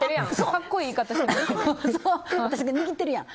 私が握ってるやん。